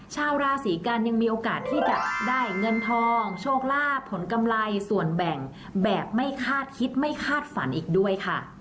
ชาวราศีกันยังมีโอกาสที่จะได้เงินทองโชคลาภผลกำไรส่วนแบ่งแบบไม่คาดคิดไม่คาดฝันอีกด้วยค่ะ